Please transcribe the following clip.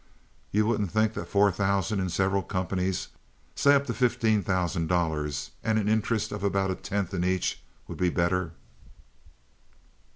"You wouldn't think that four thousand in several companies—say up to fifteen thousand dollars—and an interest of about a tenth in each would be better?"